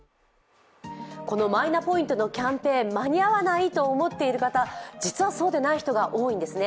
マイナポイントのキャンペーン間に合わないと思っている方、実はそうでない人が多いんですね。